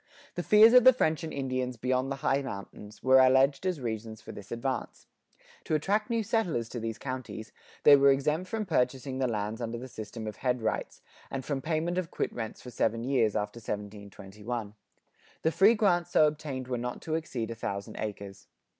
The fears of the French and Indians beyond the high mountains, were alleged as reasons for this advance. To attract settlers to these new counties, they were (1723) exempt from purchasing the lands under the system of head rights, and from payment of quit rents for seven years after 1721. The free grants so obtained were not to exceed a thousand acres.